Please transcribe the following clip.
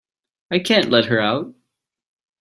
I can't let her out.